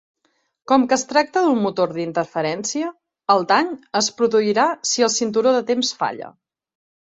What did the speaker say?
Com que es tracta d'un motor d'interferència, el dany es produirà si el cinturó de temps falla.